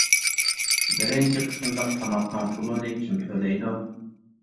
بىرىنچى قېتىملىق تاماقنىڭ پۇلىنى كىم تۆلەيدۇ؟ !